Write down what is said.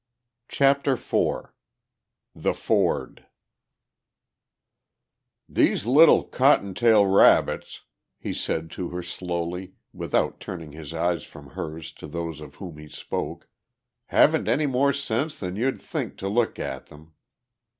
CHAPTER IV THE FORD "These little cotton tail rabbits," he said to her slowly, without turning his eyes from hers to those of whom he spoke, "haven't any more sense than you'd think to look at them.